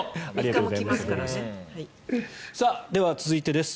では、続いてです。